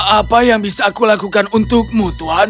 apa yang bisa aku lakukan untukmu tuhan